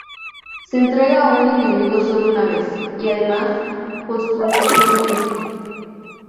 Se entrega a un individuo solo una vez, y además, póstumamente.